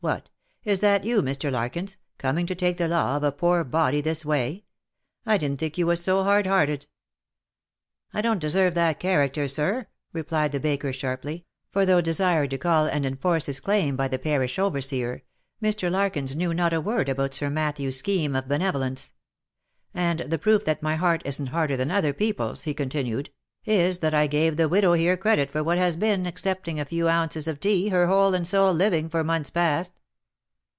" What ! is that you, Mr. Larkins, coming to take the law of a poor body this way? I didn't think you was so hard hearted." " I don't deserve that character, sir," replied the baker sharply; for though desired to call and enforce his claim by the parish overseer, j^r. Larkins knew not a word about Sir Matthew's scheme of benevolence; " and the proof that my heart isn't harder than other people's" he continued, " is, that I gave the widow here 42 THE LIFE AND ADVENTURES credit for what has been, excepting a few ounces of tea, her whole and sole living for months past."